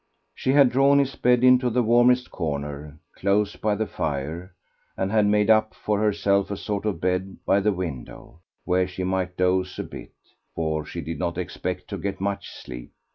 She had drawn his bed into the warmest corner, close by the fire, and had made up for herself a sort of bed by the window, where she might doze a bit, for she did not expect to get much sleep.